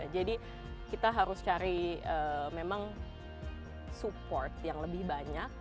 jadi kita harus cari memang support yang lebih banyak